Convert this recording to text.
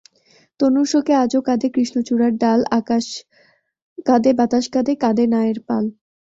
তনুর শোকে আজও কাঁদে কৃষ্ণচূড়ার ডালআকাশ কাঁদে, বাতাস কাঁদে, কাঁদে নায়ের পাল।